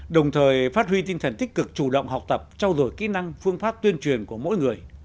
đồng thời phát huy tinh thần tích cực chủ động học tập trao dổi kỹ năng phương pháp tuyên truyền của mỗi người